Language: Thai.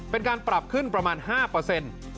เป็นการปรับขึ้นประมาณ๕